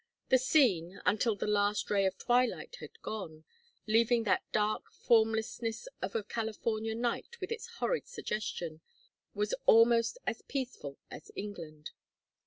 The scene, until the last ray of twilight had gone, leaving that dark formlessness of a California night with its horrid suggestion, was almost as peaceful as England.